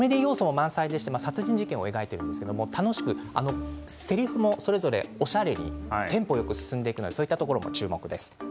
満載で殺人事件を描いているんですけど楽しくせりふも、それぞれおしゃれにテンポよく進んでいくそういったところも注目です。